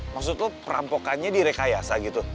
maksud lo perampokannya di rekayasa gitu